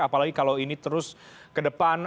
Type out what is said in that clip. apalagi kalau ini terus ke depan